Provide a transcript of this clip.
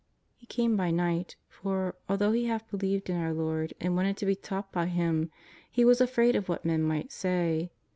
He came by niglit, for, although he half believed in our Lord and wanted to bo taught by Him, he was afraid of what men might say.